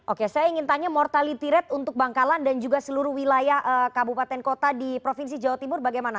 oke saya ingin tanya mortality rate untuk bangkalan dan juga seluruh wilayah kabupaten kota di provinsi jawa timur bagaimana